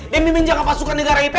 demi menjaga pasukan negara ip